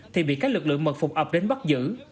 thì bị các lực lượng mật phục ập đến bắt giữ